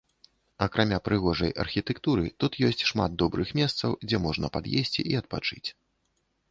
Акрамя прыгожай архітэктуры тут ёсць шмат добрых месцаў, дзе можна пад'есці і адпачыць.